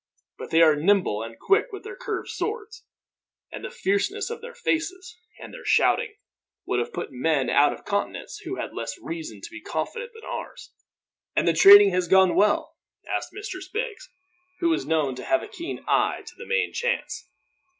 But they are nimble and quick with their curved swords; and the fierceness of their faces, and their shouting, would have put men out of countenance who had less reason to be confident than ours." "And the trading has gone well?" asked Mistress Beggs, who was known to have a keen eye to the main chance.